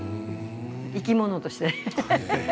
生き物として。